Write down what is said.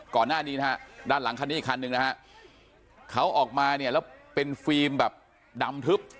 ก่อนหน้านี้นะฮะด้านหลังคันนี้อีกคันหนึ่งนะฮะเขาออกมาเนี่ยแล้วเป็นฟิล์มแบบดำทึบ